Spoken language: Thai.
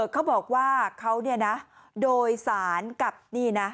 เขาบอกว่าเขาโดยสารกับนี่นะ